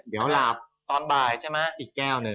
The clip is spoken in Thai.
เดี๋ยวหลับอีกแก้วหนึ่ง